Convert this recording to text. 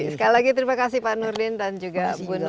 sekali lagi terima kasih pak nurdin dan juga bu nur